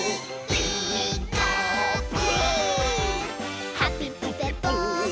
「ピーカーブ！」